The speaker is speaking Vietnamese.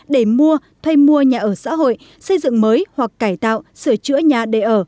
để mua thuê mua nhà ở xã hội xây dựng mới hoặc cải tạo sửa chữa nhà để ở